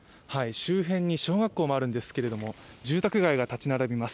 周辺に小学校もあるんですけれども、住宅街が立ち並びます。